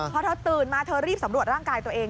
พอเธอตื่นมาเธอรีบสำรวจร่างกายตัวเอง